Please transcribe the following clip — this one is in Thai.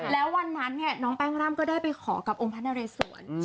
แล้ววันนั้นแน้นน้องแป้งร่ำได้ไปขอกับอมพัธนารัยศรวรรณ์